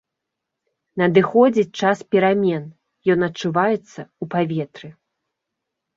Надыходзіць час перамен, ён адчуваецца ў паветры.